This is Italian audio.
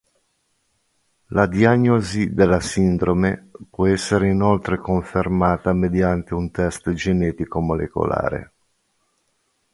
La diagnosi della sindrome può essere inoltre confermata mediante un test genetico molecolare.